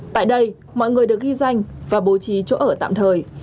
tại đây mọi người được ghi danh và bố trí chỗ ở tạm thời